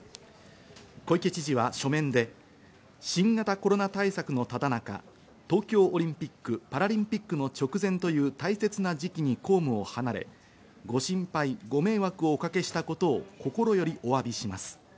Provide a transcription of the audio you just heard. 小池知事は書面で新型コロナ対策の只中、東京オリンピック・パラリンピックの直前という大切な時期に公務を離れご心配ご迷惑をおかけしたことを心よりお詫びします。